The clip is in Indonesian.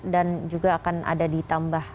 dan juga akan ada ditambah